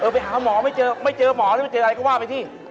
ไปหาหมอไม่เจอไม่เจอหมอหรือไม่เจออะไรก็ว่าไปสิ